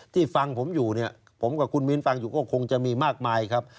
ที่ฟังผมอยู่ผมกับคุณมีนฟังอยู่ก็คงจะมีมากมายครับ